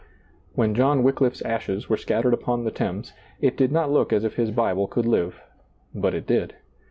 When John Wyclifs ashes were scattered upon the Thames, it did not look as if his Bible could live, but it did.